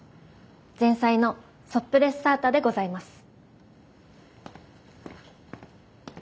前菜のソップレッサータでございます。